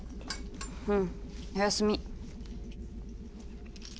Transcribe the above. うんおやすみ。